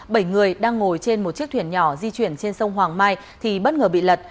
bảy người đang ngồi trên một chiếc thuyền nhỏ di chuyển trên sông hoàng mai thì bất ngờ bị lật